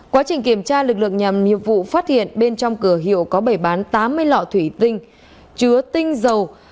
quá trình kiểm tra lực lượng nhằm nhiệm vụ phát hiện bên trong cửa hiệu có bày bán tám mươi lọ thủy tinh chứa tinh dầu